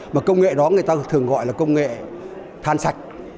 mà công nghệ đó người ta thường gọi là công nghệ than sạch